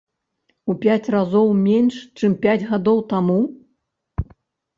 У пяць разоў менш, чым пяць гадоў таму?